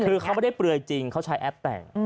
คือเขาไม่ได้เปลือยจริงเขาใช้แอปแต่ง